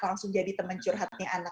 langsung jadi teman curhatnya anak